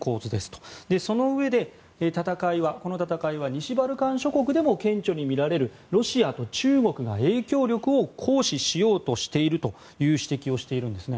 そのうえでこの戦いは西バルカン諸国でも顕著にみられるロシアと中国が影響力を行使しようとしているという指摘をしています。